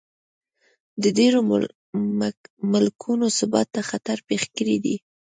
د ډېرو ملکونو ثبات ته خطر پېښ کړی دی.